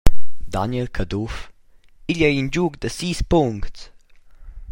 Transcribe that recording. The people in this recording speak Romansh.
Daniel Caduff: «Igl ei in giug da sis puncts.